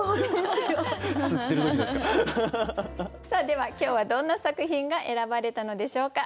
では今日はどんな作品が選ばれたのでしょうか。